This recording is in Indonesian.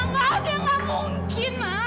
nggak ada yang nggak mungkin ma